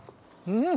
うん！